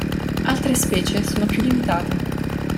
Altre specie sono più limitate.